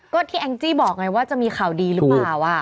ก็ที่แองจี้บอกไงว่าจะมีข่าวดีหรือเปล่า